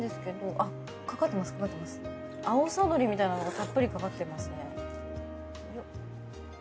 あおさのりみたいなのがたっぷりかかってますね。